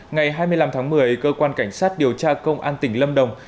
ngày hai mươi năm tháng một mươi cơ quan cảnh sát điều tra công an tỉnh lâm đồng